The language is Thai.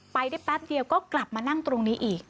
ไปได้แป๊บเดียวก็กลับมานั่งตรงนี้อีก